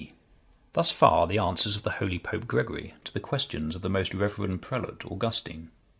D.] Thus far the answers of the holy Pope Gregory, to the questions of the most reverend prelate, Augustine.